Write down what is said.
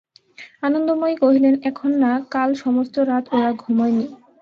আনন্দময়ী কহিলেন, এখন না– কাল সমস্ত রাত ওরা ঘুমোয় নি।